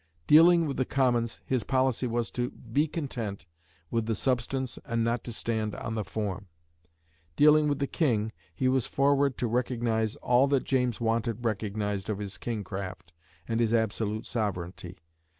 Dealing with the Commons, his policy was "to be content with the substance and not to stand on the form." Dealing with the King, he was forward to recognise all that James wanted recognised of his kingcraft and his absolute sovereignty.